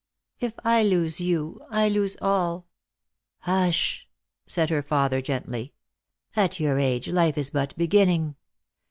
If I lose you, I lose all." " Hush !" said her father gently ;" at your age life is but beginning.